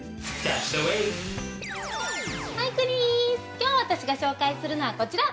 今日私が紹介するのはこちら。